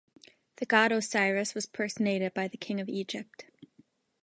The god Osiris was personated by the King of Egypt.